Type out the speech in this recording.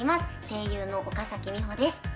声優の岡咲美保です。